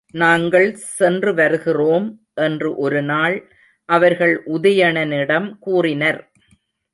நாங்கள் சென்று வருகிறோம் என்று ஒருநாள் அவர்கள் உதயணனிடம் கூறினர்.